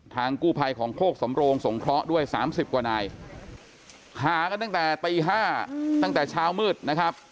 กู้ภัยของโคกสำโรงสงเคราะห์ด้วย๓๐กว่านายหากันตั้งแต่ตี๕ตั้งแต่เช้ามืดนะครับ